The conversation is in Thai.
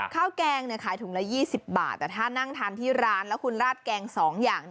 แกงขายถุงละ๒๐บาทแต่ถ้านั่งทานที่ร้านแล้วคุณราดแกง๒อย่าง